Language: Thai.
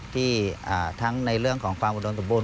ที่ทั้งในเรื่องของความอุดมสมบูร